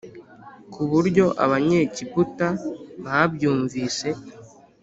Ku buryo abanyegiputa babyumvise